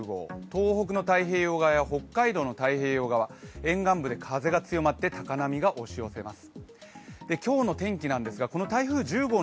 東北の太平洋側や北海道の太平洋川、沿岸部で風が強まって、高波が押し寄せます。